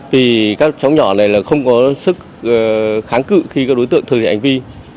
vì các cháu nhỏ này là không có sức kháng cự khi các đối tượng thực hiện hành vi